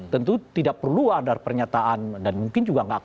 tentu tidak perlu ada pernyataan dan mungkin juga tidak akan